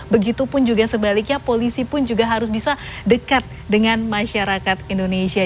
begitupun juga sebaliknya polisi pun juga harus bisa dekat dengan masyarakat indonesia